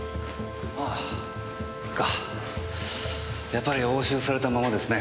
やっぱり押収されたままですね。